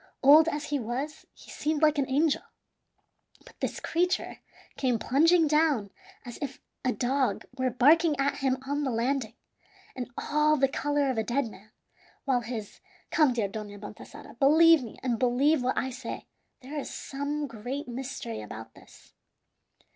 Old as he was, he seemed like an angel. But this creature came plunging down as if a dog were barking at him on the landing, and all the color of a dead man, while his come, dear Dona Baltasara, believe me, and believe what I say: there is some great mystery about this."